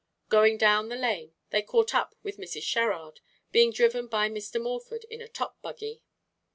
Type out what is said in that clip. Going down the lane they caught up with Mrs. Sherrard, being driven by Mr. Morford in a top buggy.